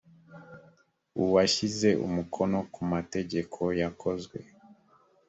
uwashyize umukono ku mategeko yakozwe